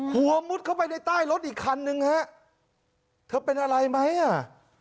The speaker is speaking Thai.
มุดเข้าไปในใต้รถอีกคันนึงฮะเธอเป็นอะไรไหมอ่ะ